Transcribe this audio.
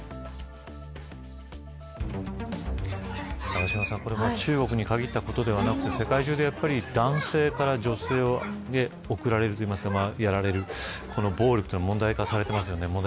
永島さん、これは中国に限ったことではなく世界中で、男性から女性へやられる暴力というのは問題視されてますよね。